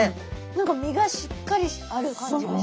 何か身がしっかりある感じがします。